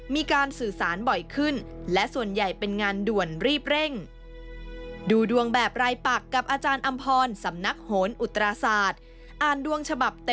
มีการสื่อสารบ่อยขึ้นและส่วนใหญ่เป็นงานด่วนรีบเร่ง